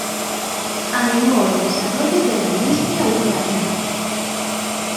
Animó el desarrollo de la industria ucraniana.